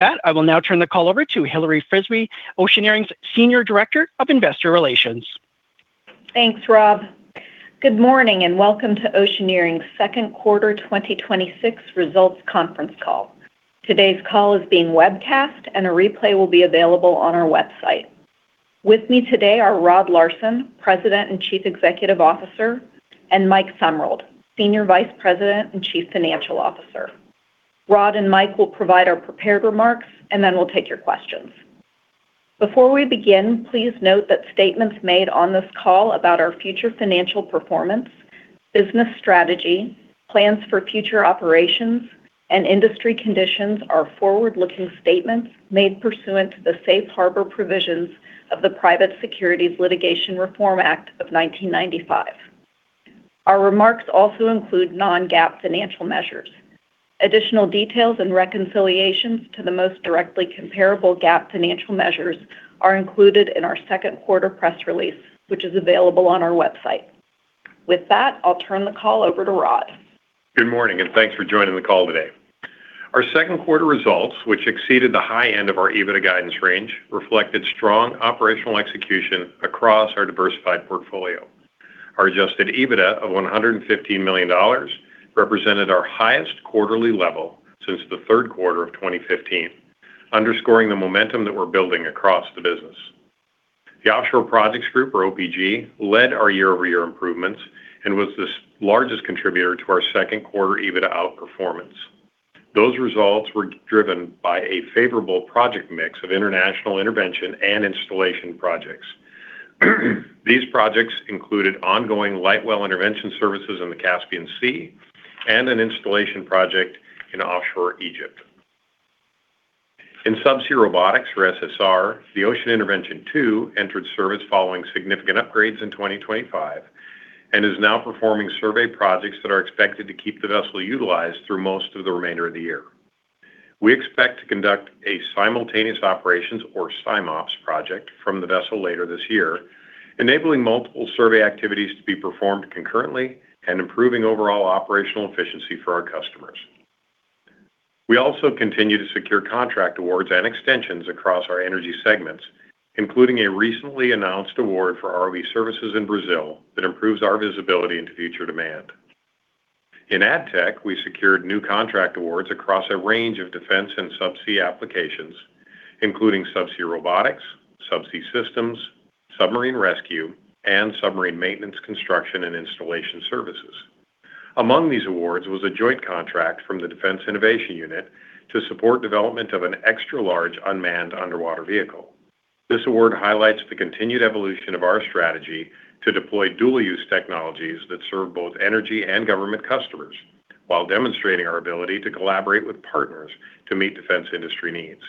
With that, I will now turn the call over to Hilary Frisbie, Oceaneering's Senior Director of Investor Relations. Thanks, Rob. Good morning and welcome to Oceaneering's second quarter 2026 results conference call. Today's call is being webcast and a replay will be available on our website. With me today are Rod Larson, President and Chief Executive Officer, and Mike Summerall, Senior Vice President and Chief Financial Officer. Rod and Mike will provide our prepared remarks. Then we'll take your questions. Before we begin, please note that statements made on this call about our future financial performance, business strategy, plans for future operations, and industry conditions are forward-looking statements made pursuant to the safe harbor provisions of the Private Securities Litigation Reform Act of 1995. Our remarks also include non-GAAP financial measures. Additional details and reconciliations to the most directly comparable GAAP financial measures are included in our second quarter press release, which is available on our website. With that, I'll turn the call over to Rod. Good morning. Thanks for joining the call today. Our second quarter results, which exceeded the high end of our EBITDA guidance range, reflected strong operational execution across our diversified portfolio. Our adjusted EBITDA of $115 million represented our highest quarterly level since the third quarter of 2015, underscoring the momentum that we're building across the business. The Offshore Projects Group, or OPG, led our year-over-year improvements and was the largest contributor to our second quarter EBITDA outperformance. Those results were driven by a favorable project mix of international intervention and installation projects. These projects included ongoing light well intervention services in the Caspian Sea and an installation project in offshore Egypt. In Subsea Robotics, or SSR, the Ocean Intervention II entered service following significant upgrades in 2025 and is now performing survey projects that are expected to keep the vessel utilized through most of the remainder of the year. We expect to conduct a Simultaneous Operations, or SIMOPS, project from the vessel later this year, enabling multiple survey activities to be performed concurrently and improving overall operational efficiency for our customers. We also continue to secure contract awards and extensions across our energy segments, including a recently announced award for ROV services in Brazil that improves our visibility into future demand. In ADTech, we secured new contract awards across a range of defense and subsea applications, including subsea robotics, subsea systems, submarine rescue, and submarine maintenance, construction, and installation services. Among these awards was a joint contract from the Defense Innovation Unit to support development of an Extra-Large Unmanned Underwater Vehicle. This award highlights the continued evolution of our strategy to deploy dual-use technologies that serve both energy and government customers while demonstrating our ability to collaborate with partners to meet defense industry needs.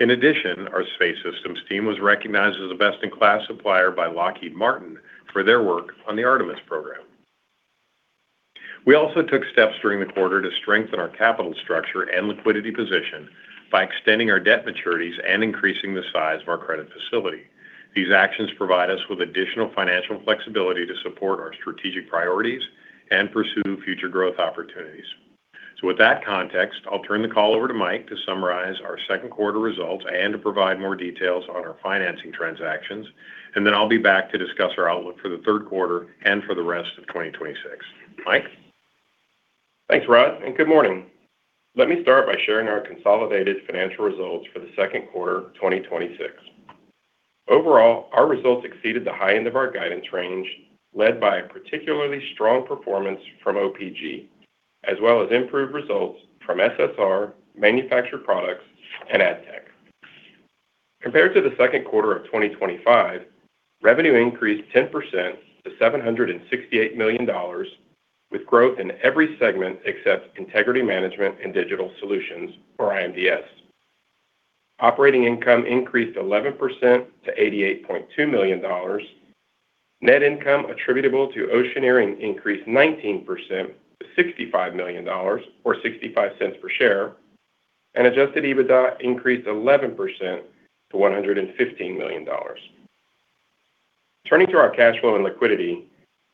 In addition, our Space Systems team was recognized as a best-in-class supplier by Lockheed Martin for their work on the Artemis program. We also took steps during the quarter to strengthen our capital structure and liquidity position by extending our debt maturities and increasing the size of our credit facility. These actions provide us with additional financial flexibility to support our strategic priorities and pursue future growth opportunities. With that context, I'll turn the call over to Mike to summarize our second quarter results and to provide more details on our financing transactions, and then I'll be back to discuss our outlook for the third quarter and for the rest of 2026. Mike? Thanks, Rod. And good morning. Let me start by sharing our consolidated financial results for the second quarter of 2026. Overall, our results exceeded the high end of our guidance range, led by a particularly strong performance from OPG, as well as improved results from SSR, Manufactured Products, and ADTech. Compared to the second quarter of 2025, revenue increased 10% to $768 million with growth in every segment except Integrity Management & Digital Solutions, or IMDS. Operating income increased 11% to $88.2 million. Net income attributable to Oceaneering increased 19% to $65 million, or $0.65 per share, and adjusted EBITDA increased 11% to $115 million. Turning to our cash flow and liquidity,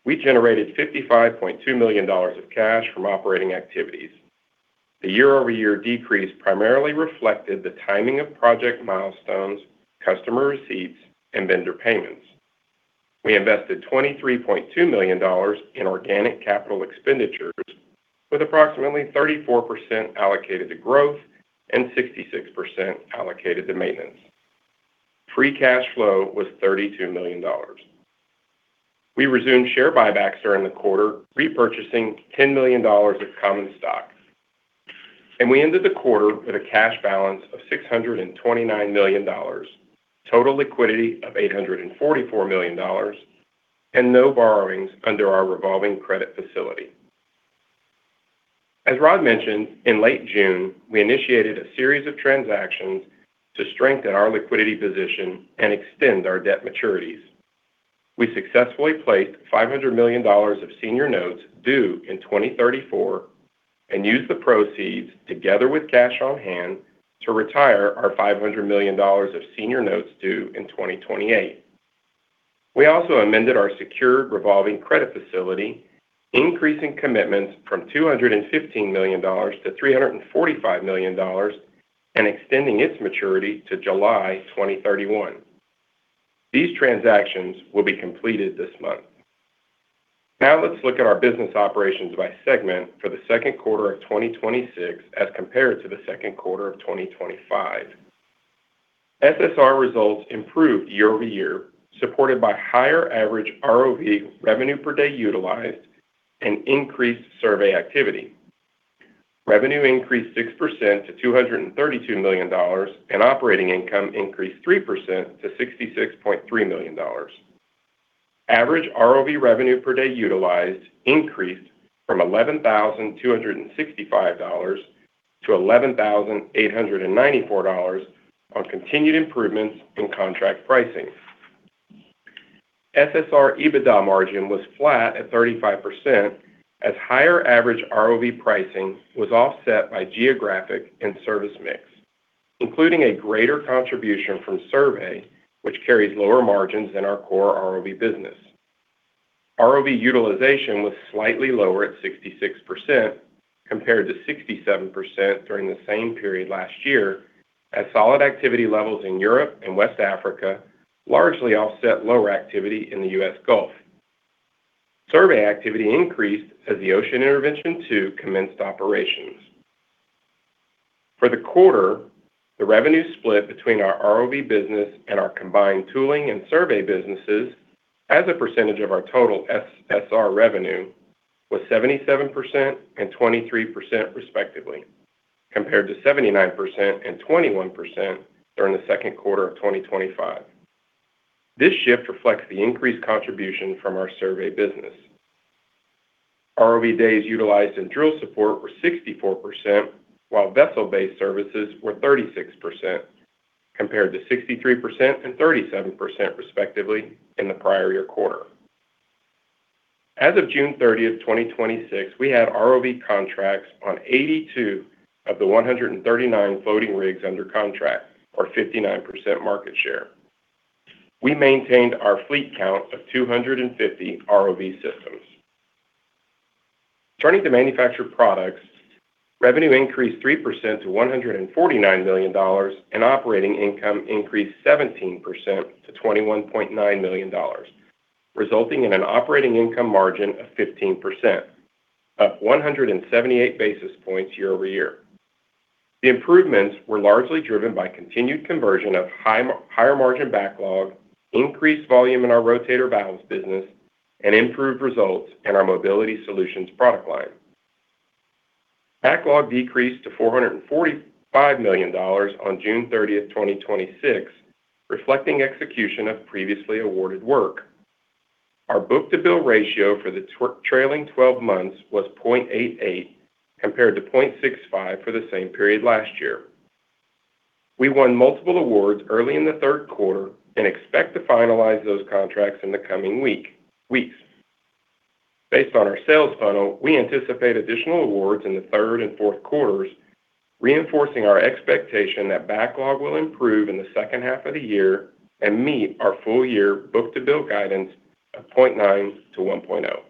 we generated $55.2 million of cash from operating activities. The year-over-year decrease primarily reflected the timing of project milestones, customer receipts, and vendor payments. We invested $23.2 million in organic capital expenditures with approximately 34% allocated to growth and 66% allocated to maintenance. Free cash flow was $32 million. We resumed share buybacks during the quarter, repurchasing $10 million of common stock. We ended the quarter with a cash balance of $629 million, total liquidity of $844 million, and no borrowings under our revolving credit facility. As Rod mentioned, in late June, we initiated a series of transactions to strengthen our liquidity position and extend our debt maturities. We successfully placed $500 million of senior notes due in 2034 and used the proceeds together with cash on hand to retire our $500 million of senior notes due in 2028. We also amended our secured revolving credit facility, increasing commitments from $215 million to $345 million and extending its maturity to July 2031. These transactions will be completed this month. Let's look at our business operations by segment for the second quarter of 2026 as compared to the second quarter of 2025. SSR results improved year-over-year, supported by higher average ROV revenue per day utilized and increased survey activity. Revenue increased 6% to $232 million, and operating income increased 3% to $66.3 million. Average ROV revenue per day utilized increased from $11,265 to $11,894 on continued improvements in contract pricing. SSR EBITDA margin was flat at 35%, as higher average ROV pricing was offset by geographic and service mix, including a greater contribution from survey, which carries lower margins than our core ROV business. ROV utilization was slightly lower at 66%, compared to 67% during the same period last year, as solid activity levels in Europe and West Africa largely offset lower activity in the U.S. Gulf. Survey activity increased as the Ocean Intervention II commenced operations. For the quarter, the revenue split between our ROV business and our combined tooling and survey businesses as a percentage of our total SSR revenue was 77% and 23%, respectively, compared to 79% and 21% during the second quarter of 2025. This shift reflects the increased contribution from our survey business. ROV days utilized in drill support were 64%, while vessel-based services were 36%, compared to 63% and 37%, respectively, in the prior year quarter. As of June 30th, 2026, we had ROV contracts on 82 of the 139 floating rigs under contract, or 59% market share. We maintained our fleet count of 250 ROV systems. Turning to Manufactured Products, revenue increased 3% to $149 million, and operating income increased 17% to $21.9 million, resulting in an operating income margin of 15%, up 178 basis points year-over-year. The improvements were largely driven by continued conversion of higher margin backlog, increased volume in our Rotator valves business, and improved results in our Mobility Solutions product line. Backlog decreased to $445 million on June 30th, 2026, reflecting execution of previously awarded work. Our book-to-bill ratio for the trailing 12 months was 0.88, compared to 0.65 for the same period last year. We won multiple awards early in the third quarter and expect to finalize those contracts in the coming weeks. Based on our sales funnel, we anticipate additional awards in the third and fourth quarters, reinforcing our expectation that backlog will improve in the second half of the year and meet our full-year book-to-bill guidance of 0.9 to 1.0.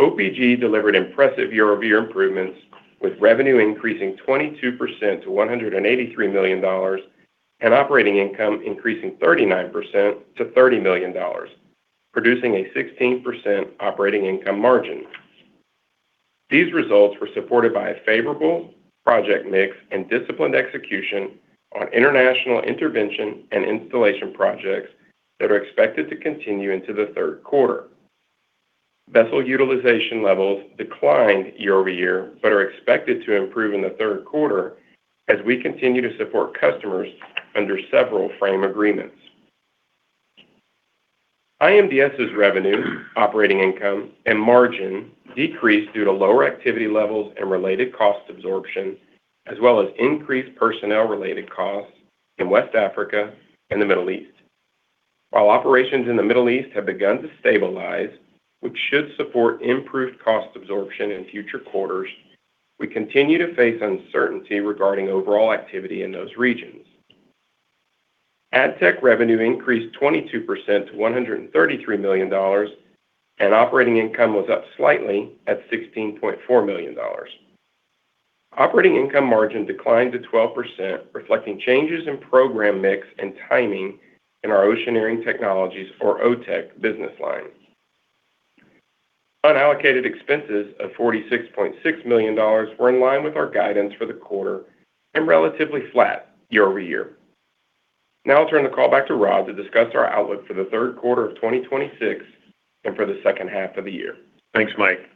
OPG delivered impressive year-over-year improvements, with revenue increasing 22% to $183 million and operating income increasing 39% to $30 million, producing a 16% operating income margin. These results were supported by a favorable project mix and disciplined execution on international intervention and installation projects that are expected to continue into the third quarter. Vessel utilization levels declined year-over-year, but are expected to improve in the third quarter as we continue to support customers under several frame agreements. IMDS's revenue, operating income, and margin decreased due to lower activity levels and related cost absorption, as well as increased personnel-related costs in West Africa and the Middle East. While operations in the Middle East have begun to stabilize, which should support improved cost absorption in future quarters, we continue to face uncertainty regarding overall activity in those regions. ADTech revenue increased 22% to $133 million, and operating income was up slightly at $16.4 million. Operating income margin declined to 12%, reflecting changes in program mix and timing in our Oceaneering Technologies, or OTech, business line. Unallocated expenses of $46.6 million were in line with our guidance for the quarter and relatively flat year-over-year. Now I'll turn the call back to Rod to discuss our outlook for the third quarter of 2026 and for the second half of the year. Thanks, Mike.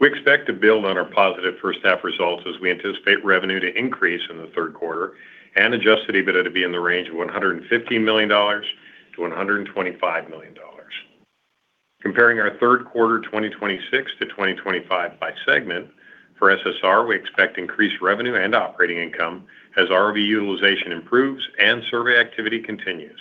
We expect to build on our positive first half results as we anticipate revenue to increase in the third quarter and adjusted EBITDA to be in the range of $115 million-$125 million. Comparing our third quarter 2026 to 2025 by segment, for SSR, we expect increased revenue and operating income as ROV utilization improves and survey activity continues.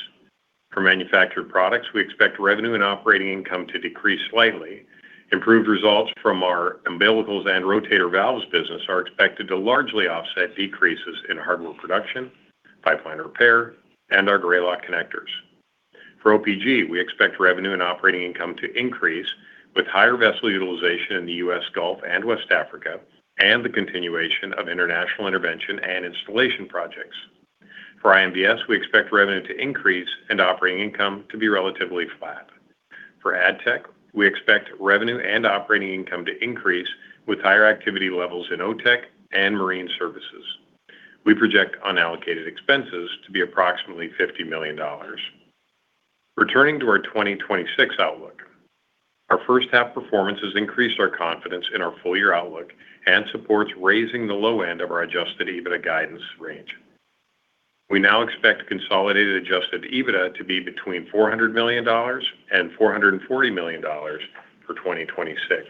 For Manufactured Products, we expect revenue and operating income to decrease slightly. Improved results from our umbilicals and Rotator valves business are expected to largely offset decreases in hardware production, pipeline repair, and our Grayloc connectors. For OPG, we expect revenue and operating income to increase with higher vessel utilization in the U.S. Gulf and West Africa, and the continuation of international intervention and installation projects. For IMDS, we expect revenue to increase and operating income to be relatively flat. For ADTech, we expect revenue and operating income to increase with higher activity levels in OTech and marine services. We project unallocated expenses to be approximately $50 million. Returning to our 2026 outlook, our first half performance has increased our confidence in our full-year outlook and supports raising the low end of our adjusted EBITDA guidance range. We now expect consolidated adjusted EBITDA to be between $400 million and $440 million for 2026.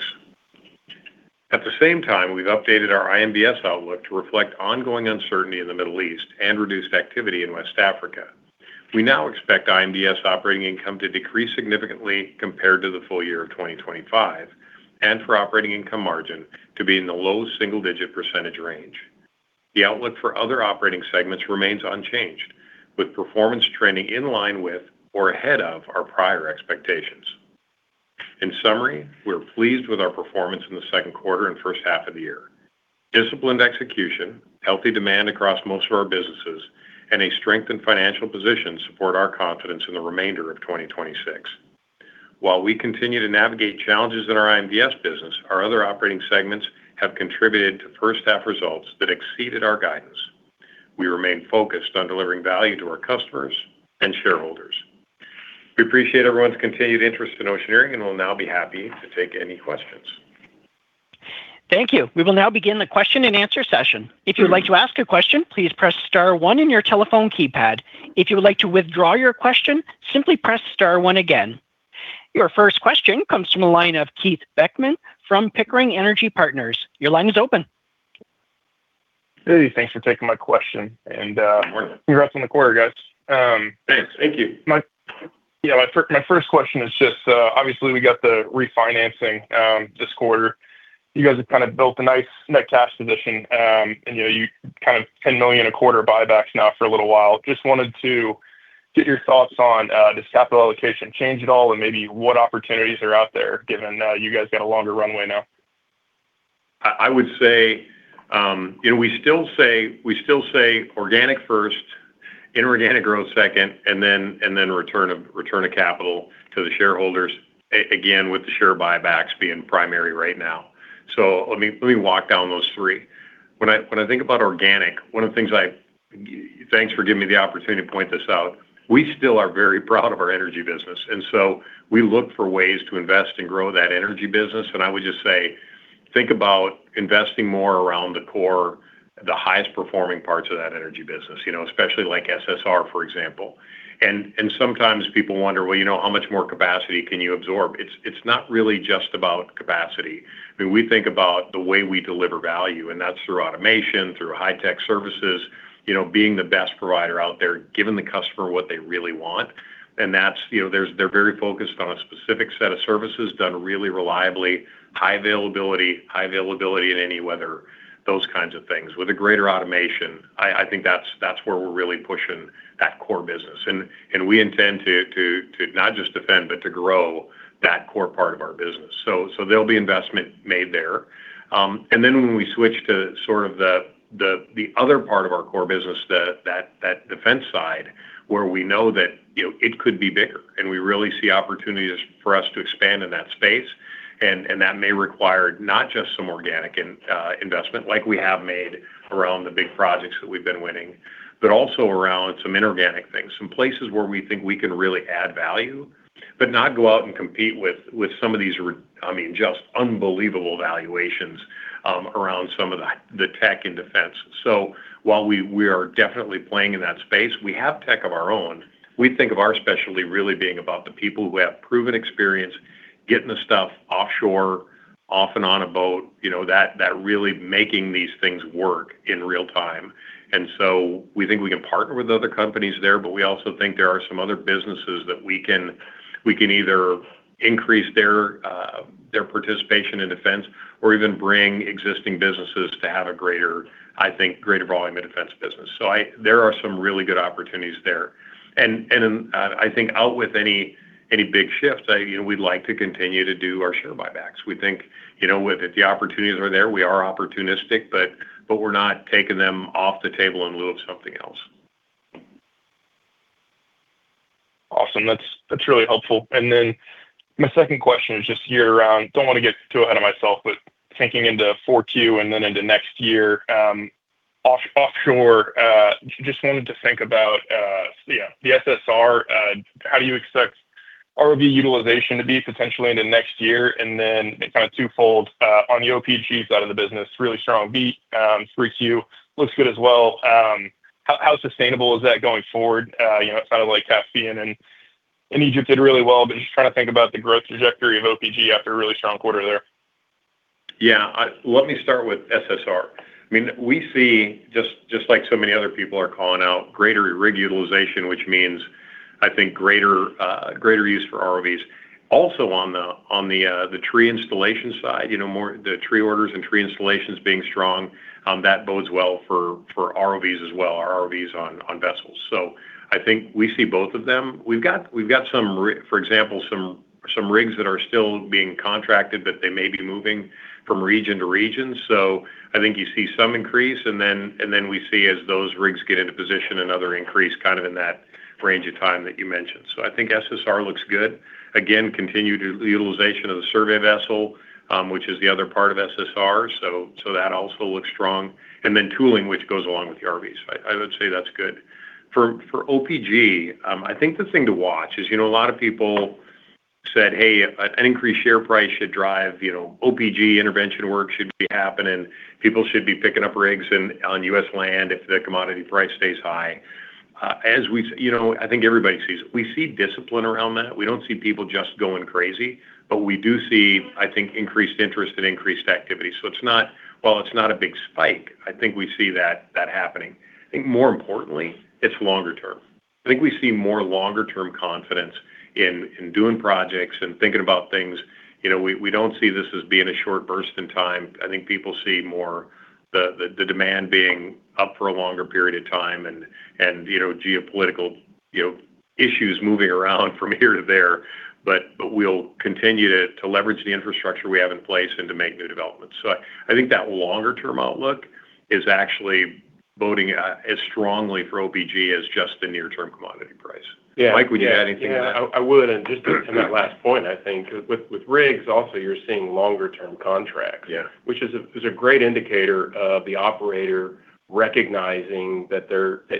At the same time, we've updated our IMDS outlook to reflect ongoing uncertainty in the Middle East and reduced activity in West Africa. We now expect IMDS operating income to decrease significantly compared to the full year of 2025, and for operating income margin to be in the low single-digit % range. The outlook for other operating segments remains unchanged, with performance trending in line with or ahead of our prior expectations. In summary, we're pleased with our performance in the second quarter and first half of the year. Disciplined execution, healthy demand across most of our businesses, and a strengthened financial position support our confidence in the remainder of 2026. While we continue to navigate challenges in our IMDS business, our other operating segments have contributed to first half results that exceeded our guidance. We remain focused on delivering value to our customers and shareholders. We appreciate everyone's continued interest in Oceaneering and will now be happy to take any questions. Thank you. We will now begin the question and answer session. If you would like to ask a question, please press star one in your telephone keypad. If you would like to withdraw your question, simply press star one again. Your first question comes from the line of Keith Beckmann from Pickering Energy Partners. Your line is open. Hey, thanks for taking my question. Of course. Congrats on the quarter, guys. Thanks. Thank you. Yeah. My first question is just, obviously, we got the refinancing this quarter. You guys have kind of built a nice net cash position, and you kind of $10 million a quarter buybacks now for a little while. Just wanted to get your thoughts on does capital allocation change at all, and maybe what opportunities are out there given you guys got a longer runway now? I would say, we still say organic first, inorganic growth second, and then return of capital to the shareholders, again, with the share buybacks being primary right now. Let me walk down those three. When I think about organic, one of the things. Thanks for giving me the opportunity to point this out. We still are very proud of our energy business. We look for ways to invest and grow that energy business. I would just say, think about investing more around the core, the highest-performing parts of that energy business, especially like SSR, for example. Sometimes people wonder, well, how much more capacity can you absorb? It's not really just about capacity. We think about the way we deliver value, and that's through automation, through high-tech services. Being the best provider out there, giving the customer what they really want. They're very focused on a specific set of services done really reliably, high availability in any weather, those kinds of things with a greater automation. I think that's where we're really pushing that core business. We intend to not just defend, but to grow that core part of our business. There'll be investment made there. Then when we switch to sort of the other part of our core business, that defense side where we know that it could be bigger. We really see opportunities for us to expand in that space. That may require not just some organic investment like we have made around the big projects that we've been winning, but also around some inorganic things. Some places where we think we can really add value, but not go out and compete with some of these just unbelievable valuations around some of the tech and defense. While we are definitely playing in that space, we have tech of our own. We think of our specialty really being about the people who have proven experience getting the stuff offshore, off and on a boat, that really making these things work in real-time. We think we can partner with other companies there, but we also think there are some other businesses that we can either increase their participation in defense or even bring existing businesses to have a greater, I think, greater volume in defense business. There are some really good opportunities there. I think out with any big shifts, we'd like to continue to do our share buybacks. We think if the opportunities are there, we are opportunistic, but we're not taking them off the table in lieu of something else. Awesome. That's really helpful. My second question is just year round, don't want to get too ahead of myself, but thinking into 4Q and then into next year, offshore, just wanted to think about the SSR. How do you expect ROV utilization to be potentially into next year? Kind of twofold on the OPG side of the business, really strong beat. 3Q looks good as well. How sustainable is that going forward? It's kind of like Caspian and Egypt did really well, but just trying to think about the growth trajectory of OPG after a really strong quarter there. Let me start with SSR. We see, just like so many other people are calling out, greater rig utilization, which means, I think, greater use for ROVs. Also on the tree installation side, the tree orders and tree installations being strong, that bodes well for ROVs as well, our ROVs on vessels. I think we see both of them. We've got, for example, some rigs that are still being contracted, but they may be moving from region to region. I think you see some increase, we see as those rigs get into position, another increase kind of in that range of time that you mentioned. I think SSR looks good. Again, continued utilization of the survey vessel, which is the other part of SSR. That also looks strong. Tooling, which goes along with the ROVs, I would say that's good. For OPG, I think the thing to watch is, a lot of people said, "Hey, an increased share price should drive OPG intervention work should be happening. People should be picking up rigs on U.S. land if the commodity price stays high." I think everybody sees, we see discipline around that. We don't see people just going crazy, but we do see, I think, increased interest and increased activity. While it's not a big spike, I think we see that happening. I think more importantly, it's longer term. I think we see more longer-term confidence in doing projects and thinking about things. We don't see this as being a short burst in time. I think people see more the demand being up for a longer period of time and geopolitical issues moving around from here to there. We'll continue to leverage the infrastructure we have in place and to make new developments. I think that longer-term outlook is actually boding as strongly for OPG as just the near-term commodity price. Yeah. Mike, would you add anything to that? Yeah, I would. Just to that last point, I think with rigs also, you're seeing longer-term contracts. Yeah. It is a great indicator of the operator recognizing that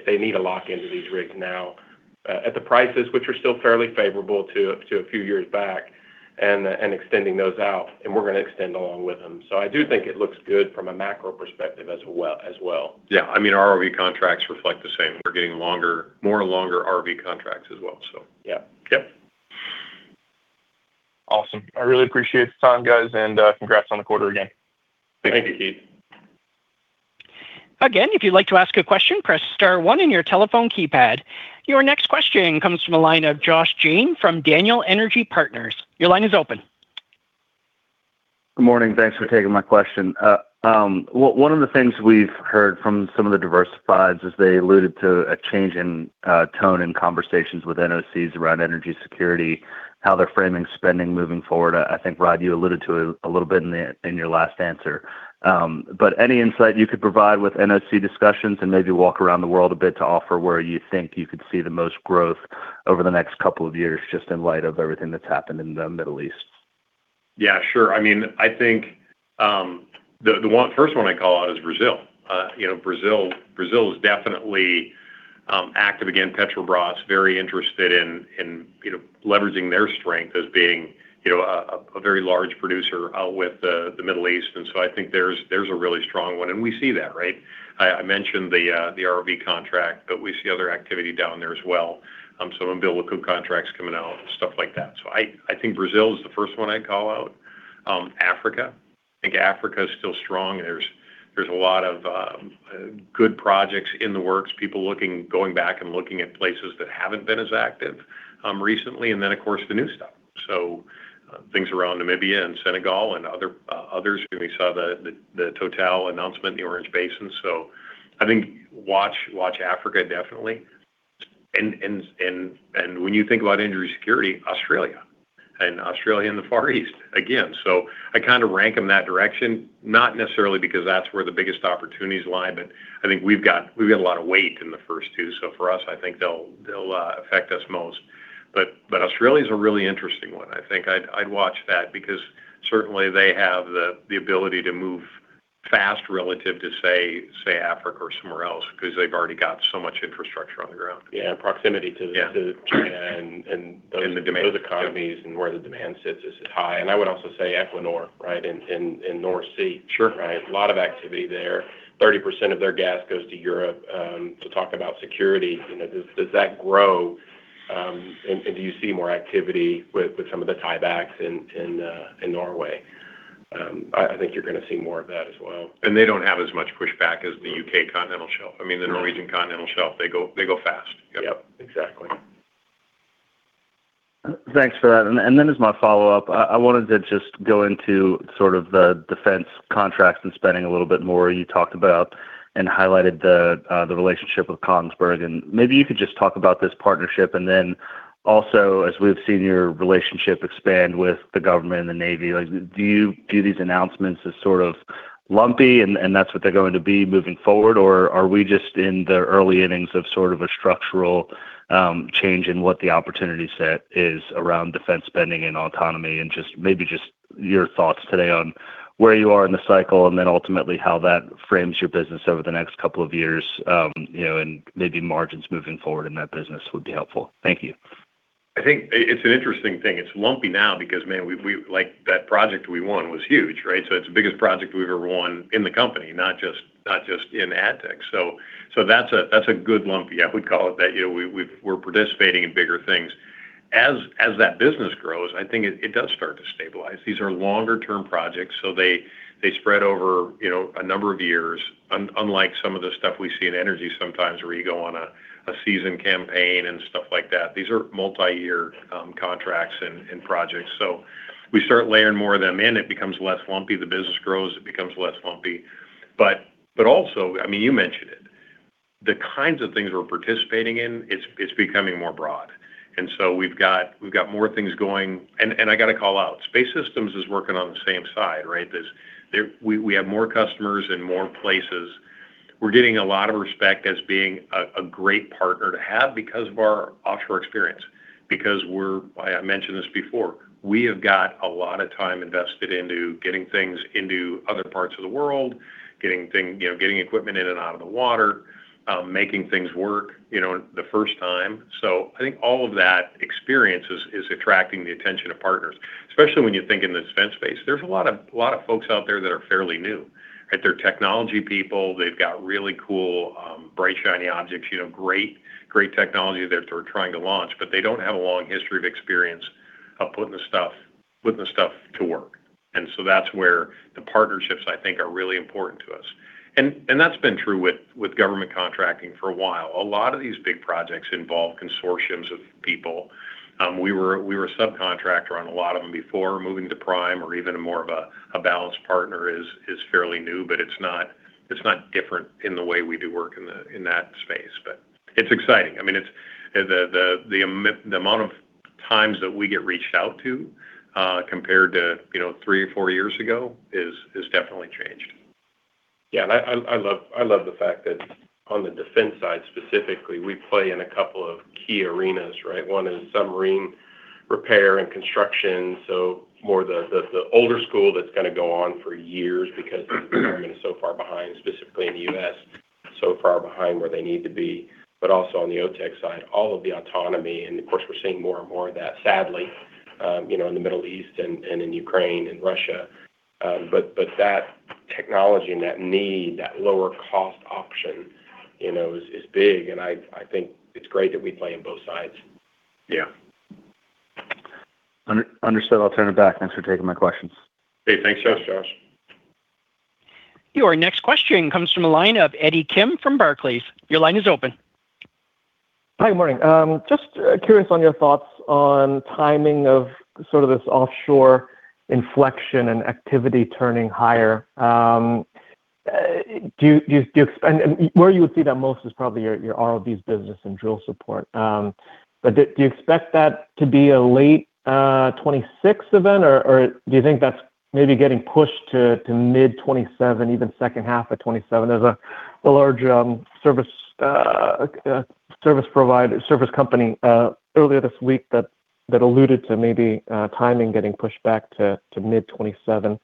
they need to lock into these rigs now at the prices, which are still fairly favorable to a few years back and extending those out, and we're going to extend along with them. I do think it looks good from a macro perspective as well. Yeah. ROV contracts reflect the same. We're getting more longer ROV contracts as well. Yeah. Yep. Awesome. I really appreciate the time, guys, and congrats on the quarter again. Thank you. Thank you, Keith. Again, if you'd like to ask a question, press star one on your telephone keypad. Your next question comes from the line of Josh Jayne from Daniel Energy Partners. Your line is open. Good morning. Thanks for taking my question. One of the things we've heard from some of the diversified is they alluded to a change in tone in conversations with NOCs around energy security, how they're framing spending moving forward. I think, Rod, you alluded to it a little bit in your last answer. Any insight you could provide with NOC discussions and maybe walk around the world a bit to offer where you think you could see the most growth over the next couple of years, just in light of everything that's happened in the Middle East? Yeah, sure. I think the first one I call out is Brazil. Brazil is definitely active. Again, Petrobras, very interested in leveraging their strength as being a very large producer out with the Middle East, I think there's a really strong one. We see that, right? I mentioned the ROV contract, but we see other activity down there as well. Some block contracts coming out and stuff like that. I think Brazil is the first one I'd call out. Africa. I think Africa is still strong, and there's a lot of good projects in the works, people going back and looking at places that haven't been as active recently. Of course, the new stuff. Things around Namibia and Senegal and others. We saw the TotalEnergies announcement in the Orange Basin. I think watch Africa definitely. When you think about energy security, Australia. Australia and the Far East again. I kind of rank them that direction, not necessarily because that's where the biggest opportunities lie, but I think we've got a lot of weight in the first two. For us, I think they'll affect us most. Australia is a really interesting one. I think I'd watch that because certainly they have the ability to move fast relative to, say, Africa or somewhere else, because they've already got so much infrastructure on the ground. Yeah, proximity. Yeah China. The demand those economies and where the demand sits is high. I would also say Equinor in North Sea. Sure. Right? A lot of activity there. 30% of their gas goes to Europe. To talk about security, does that grow? Do you see more activity with some of the tiebacks in Norway? I think you're going to see more of that as well. They don't have as much pushback as the U.K. continental shelf. The Norwegian continental shelf, they go fast. Yep, exactly. Thanks for that. Then as my follow-up, I wanted to just go into sort of the defense contracts and spending a little bit more. You talked about and highlighted the relationship with Kongsberg, and maybe you could just talk about this partnership and then also, as we've seen your relationship expand with the government and the Navy, do you view these announcements as sort of lumpy and that's what they're going to be moving forward, or are we just in the early innings of sort of a structural change in what the opportunity set is around defense spending and autonomy? Maybe just your thoughts today on where you are in the cycle and then ultimately how that frames your business over the next couple of years, and maybe margins moving forward in that business would be helpful. Thank you. I think it's an interesting thing. It's lumpy now because, man, that project we won was huge. It's the biggest project we've ever won in the company, not just in ADTech. That's a good lumpy. We call it that. We're participating in bigger things. As that business grows, I think it does start to stabilize. These are longer-term projects, so they spread over a number of years, unlike some of the stuff we see in energy sometimes where you go on a season campaign and stuff like that. These are multi-year contracts and projects. We start layering more of them in, it becomes less lumpy. The business grows, it becomes less lumpy. Also, you mentioned it, the kinds of things we're participating in, it's becoming more broad. We've got more things going. I got to call out, Space Systems is working on the same side, right? We have more customers in more places. We're getting a lot of respect as being a great partner to have because of our offshore experience, because we're, I mentioned this before, we have got a lot of time invested into getting things into other parts of the world, getting equipment in and out of the water, making things work the first time. I think all of that experience is attracting the attention of partners, especially when you think in the defense space. There's a lot of folks out there that are fairly new. They're technology people. They've got really cool, bright, shiny objects, great technology that they're trying to launch, but they don't have a long history of experience of putting the stuff to work. That's where the partnerships, I think, are really important to us. That's been true with government contracting for a while. A lot of these big projects involve consortiums of people. We were a subcontractor on a lot of them before. Moving to prime or even more of a balanced partner is fairly new, but it's not different in the way we do work in that space. It's exciting. The amount of times that we get reached out to, compared to three or four years ago, has definitely changed. I love the fact that on the defense side specifically, we play in a couple of key arenas, right? One is submarine repair and construction, so more the older school that's going to go on for years because the government is so far behind, specifically in the U.S., so far behind where they need to be. Also on the OTech side, all of the autonomy, and of course, we're seeing more and more of that, sadly, in the Middle East and in Ukraine and Russia. That technology and that need, that lower cost option, is big, and I think it's great that we play in both sides. Yeah. Understood. I'll turn it back. Thanks for taking my questions. Hey, thanks, Josh. Your next question comes from the line of Eddie Kim from Barclays. Your line is open. Hi, morning. Just curious on your thoughts on timing of sort of this offshore inflection and activity turning higher. Where you would see that most is probably your ROVs business and drill support. Do you expect that to be a late 2026 event, or do you think that's maybe getting pushed to mid 2027, even second half of 2027? There's a large service company earlier this week that alluded to maybe timing getting pushed back to mid 2027.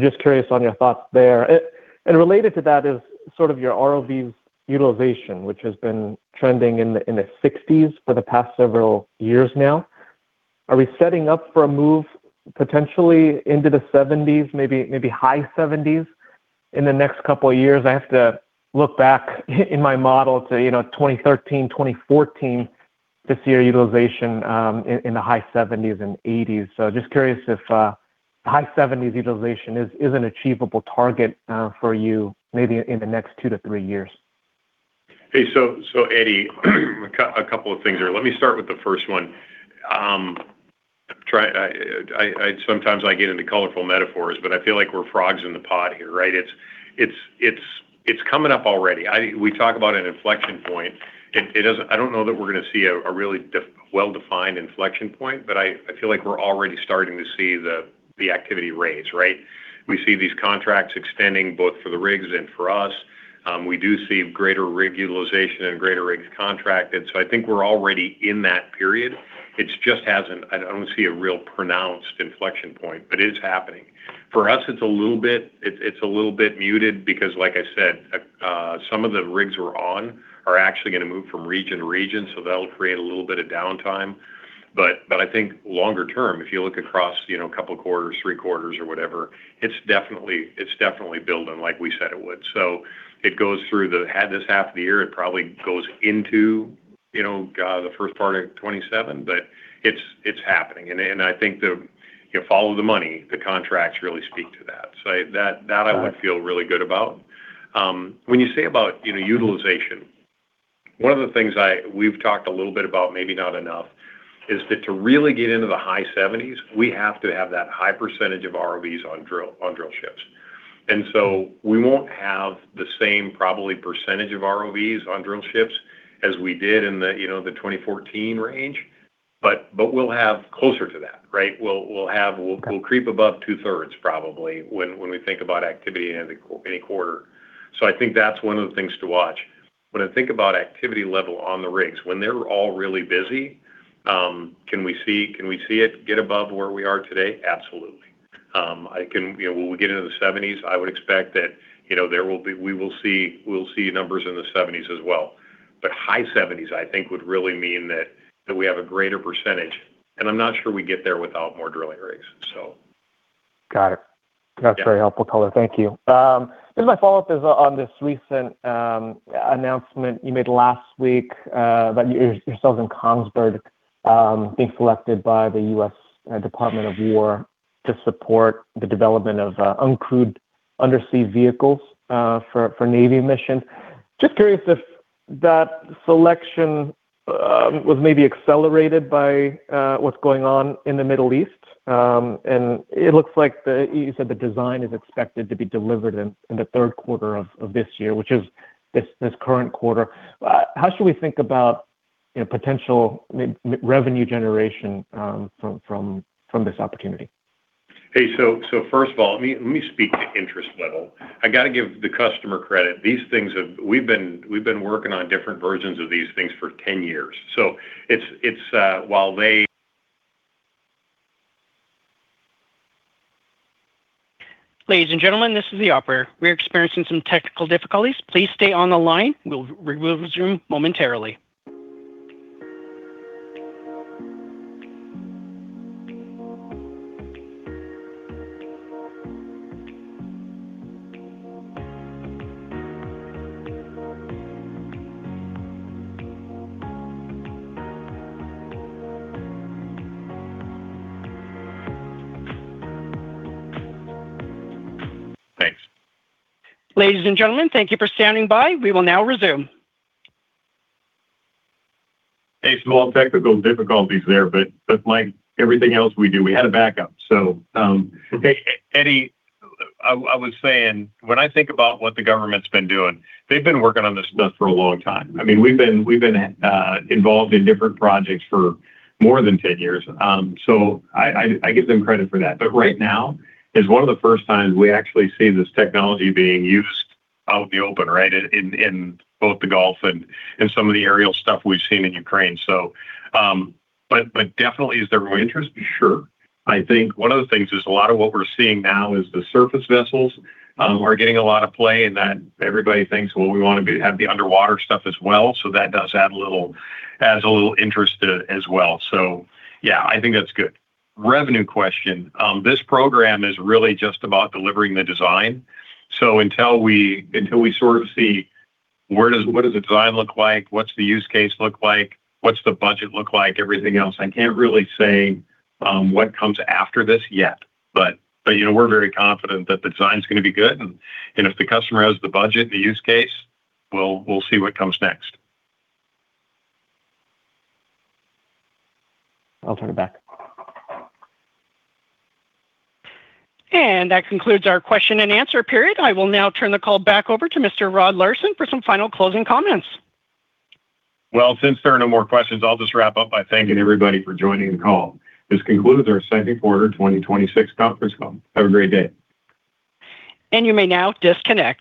Just curious on your thoughts there. Related to that is sort of your ROV utilization, which has been trending in the 60s for the past several years now. Are we setting up for a move potentially into the 70s, maybe high 70s in the next couple of years? I have to look back in my model to 2013, 2014, to see your utilization in the high 70s and 80s. Just curious if high 70s utilization is an achievable target for you maybe in the next two to three years. Hey, Eddie, a couple of things there. Let me start with the first one. Sometimes I get into colorful metaphors, but I feel like we are frogs in the pot here, right? It is coming up already. We talk about an inflection point. I do not know that we are going to see a really well-defined inflection point, but I feel like we are already starting to see the activity raise, right? We see these contracts extending both for the rigs and for us. We do see greater rig utilization and greater rigs contracted. I think we are already in that period. I do not see a real pronounced inflection point, but it is happening. For us, it is a little bit muted because like I said, some of the rigs we are on are actually going to move from region to region, so that will create a little bit of downtime. I think longer term, if you look across a couple of quarters, three quarters or whatever, it is definitely building like we said it would. It goes through this half of the year. It probably goes into the first part of 2027, but it is happening. I think if you follow the money, the contracts really speak to that. That I would feel really good about. When you say about utilization, one of the things we have talked a little bit about, maybe not enough, is that to really get into the high 70s, we have to have that high percentage of ROVs on drill ships. We will not have the same probably percentage of ROVs on drill ships as we did in the 2014 range, but we will have closer to that, right? We will creep above two-thirds probably when we think about activity in any quarter. I think that is one of the things to watch. When I think about activity level on the rigs, when they are all really busy, can we see it get above where we are today? Absolutely. Will we get into the 70s? I would expect that we will see numbers in the 70s as well. High 70s, I think, would really mean that we have a greater percentage, and I am not sure we get there without more drilling rigs. Got it. That's very helpful, color. Thank you. My follow-up is on this recent announcement you made last week about yourselves and Kongsberg being selected by the U.S. Department of Defense to support the development of uncrewed undersea vehicles for U.S. Navy missions. Just curious if that selection was maybe accelerated by what's going on in the Middle East. It looks like you said the design is expected to be delivered in the third quarter of this year, which is this current quarter. How should we think about potential revenue generation from this opportunity? Hey, first of all, let me speak to interest level. I got to give the customer credit. We've been working on different versions of these things for 10 years. Ladies and gentlemen, this is the operator. We are experiencing some technical difficulties. Please stay on the line. We'll resume momentarily. Thanks. Ladies and gentlemen, thank you for standing by. We will now resume. Hey, small technical difficulties there, but like everything else we do, we had a backup. Eddie, I was saying, when I think about what the government's been doing, they've been working on this stuff for a long time. We've been involved in different projects for more than 10 years. I give them credit for that. Right now is one of the first times we actually see this technology being used out in the open, right, in both the Gulf and in some of the aerial stuff we've seen in Ukraine. Definitely is there interest? Sure. I think one of the things is a lot of what we're seeing now is the surface vessels are getting a lot of play and that everybody thinks, "Well, we want to have the underwater stuff as well." That does add a little interest as well. Yeah, I think that's good. Revenue question. This program is really just about delivering the design. Until we sort of see what does the design look like, what's the use case look like, what's the budget look like, everything else, I can't really say what comes after this yet. We're very confident that the design's going to be good. If the customer has the budget and the use case, we'll see what comes next. I'll turn it back. That concludes our question and answer period. I will now turn the call back over to Rod Larson for some final closing comments. Well, since there are no more questions, I'll just wrap up by thanking everybody for joining the call. This concludes our second quarter 2026 conference call. Have a great day. You may now disconnect.